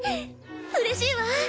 うれしいわ！